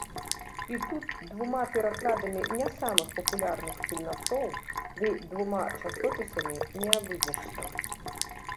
І тут двума перакладамі не самых папулярных фільмяцоў ды двума часопісамі не абыдзешся.